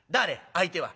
相手は。